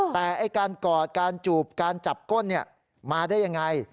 อ้อแต่ไอ้การกอดการจูบการจับก้นเนี่ยมาได้ยังไง